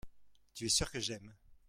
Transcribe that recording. tu es sûr que j'aime.